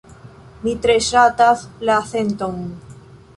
Mi tre ŝatas la senton.